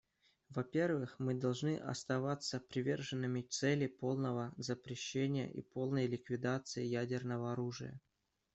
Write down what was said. Во-первых, мы должны оставаться приверженными цели полного запрещения и полной ликвидации ядерного оружия.